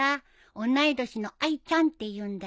同い年のあいちゃんって言うんだよ。